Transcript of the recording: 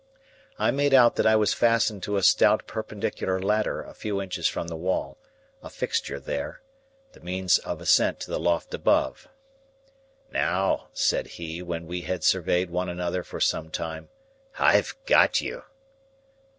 I made out that I was fastened to a stout perpendicular ladder a few inches from the wall,—a fixture there,—the means of ascent to the loft above. "Now," said he, when we had surveyed one another for some time, "I've got you."